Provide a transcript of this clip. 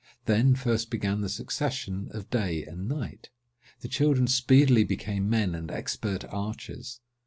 Then first began the succession of day and night. The children speedily became men, and expert archers.